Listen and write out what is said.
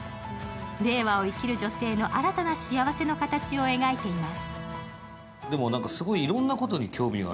令和を生きる女性の新たな幸せの形を描いています。